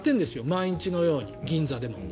毎日のように、銀座でも。